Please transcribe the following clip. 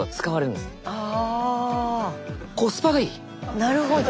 なるほど。